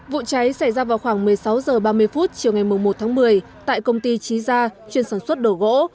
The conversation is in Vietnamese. vụ cháy xảy ra vào khoảng một mươi sáu h ba mươi chiều ngày một tháng một mươi tại công ty trí gia chuyên sản xuất đồ gỗ